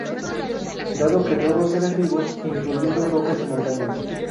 Dado que todos los seres vivos, incluyendo rocas y montañas.